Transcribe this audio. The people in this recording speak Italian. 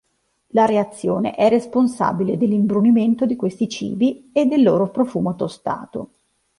La reazione è responsabile dell'imbrunimento di questi cibi e del loro profumo tostato.